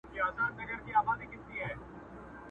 مُلا یې بولي تشي خبري٫